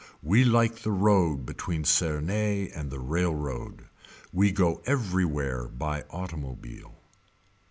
We like the road between Cernay and the railroad. We go everywhere by automobile.